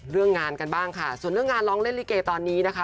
เรื่องงานกันบ้างค่ะส่วนเรื่องงานร้องเล่นลิเกตอนนี้นะคะ